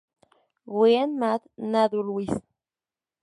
Wien, Math.-Naturwiss.